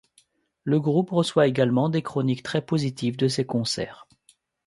Le groupe reçoit également des chroniques très positives de ses concerts.